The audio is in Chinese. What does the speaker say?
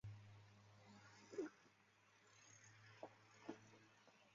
还有那么高的机会被淘汰